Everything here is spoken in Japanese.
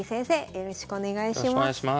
よろしくお願いします。